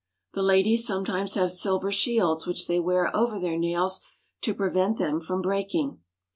The ladies sometimes have silver shields which they wear over their nails to prevent them from breaking.